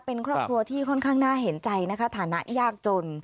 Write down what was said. เป็นครอบครัวที่ค่อนข้างน่าเห็นใจนะคะฐานะยากจน